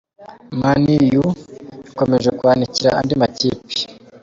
Mani yu ikomeje kwanikira andi makipe